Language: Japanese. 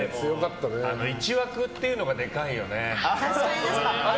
１枠っていうのがでかいよね。